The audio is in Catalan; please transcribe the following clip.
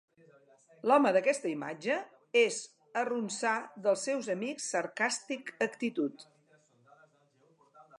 L'home d'aquesta imatge es arronsar dels seus amics sarcàstic actitud